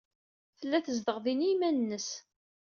Tella tezdeɣ din i yiman-nnes.